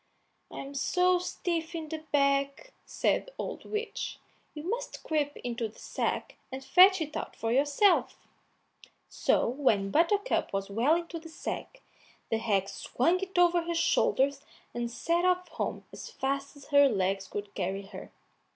"I'm so stiff in the back," said the old witch, "you must creep into the sack and fetch it out for yourself." So when Buttercup was well into the sack, the hag swung it over her shoulders and set off home as fast as her legs could carry her.